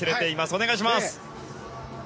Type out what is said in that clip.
お願いします。